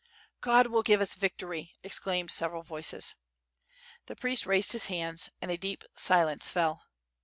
"God will give us victory," exclaimed several voices. The priest raised his hands and a deep silence fell.